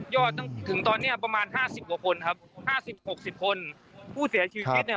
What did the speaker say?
จนถึงตอนเนี้ยประมาณห้าสิบกว่าคนครับห้าสิบหกสิบคนผู้เสียชีวิตเนี่ย